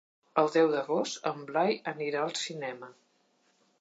El deu d'agost en Blai anirà al cinema.